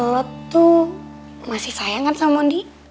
lo tuh masih sayang kan sama mondi